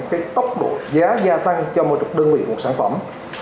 cái tốc độ giá gia tăng cho một chục đơn vị một sản phẩm